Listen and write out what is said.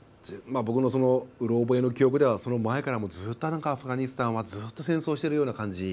僕の、うろ覚えの記憶ではその前からずっとアフガニスタンは戦争しているような感じ。